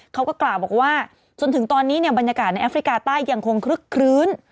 เขาก็กล่าวว่าจนถึงตอนนี้บรรยากาศในแอฟริกาใต้ยังคงครึ๊ปกรื๊น